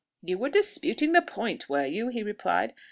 "You were disputing the point, were you?" he replied.